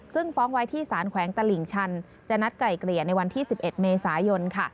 ซึ่งฟ้องไว้ที่สารแขวงตลิ่งชันจะนัดไก่เกลี่ยในวันที่๑๑เมษายนค่ะ